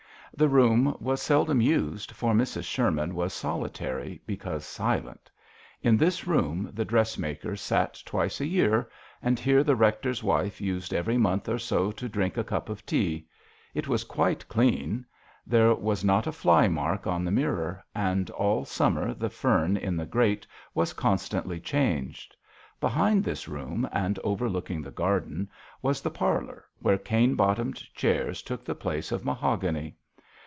The room was sel dom used, for Mrs. Sherman was solitary because silent. In this room the dressmaker sat twice a year, and here the rector's wife used every month or so to drink a cup of tea. It was quite clean. There was not a fly mark on the mirror, and all summer the fern in the grate was constantly changed. Behind this room and overlooking the garden was the parlour, where cane bottomed chairs took the place of ma hogany.